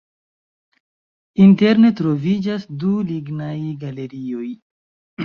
Interne troviĝas du lignaj galerioj.